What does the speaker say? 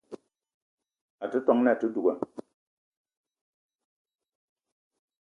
A te ton na àte duga